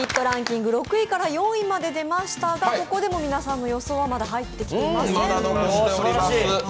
ランキング、６位から４位までが出ましたがここでも皆さんの予想は、まだ入ってきていません。